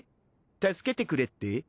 助けてくれって？